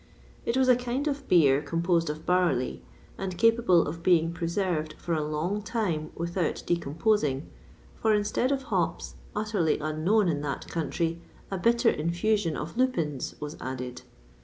It was a kind of beer composed of barley, and capable of being preserved for a long time without decomposing;[XXVI 4] for instead of hops, utterly unknown in that country, a bitter infusion of lupins was added.